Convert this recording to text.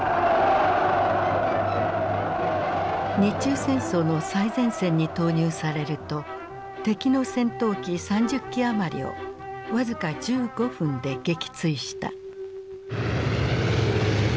日中戦争の最前線に投入されると敵の戦闘機３０機余りを僅か１５分で撃墜した。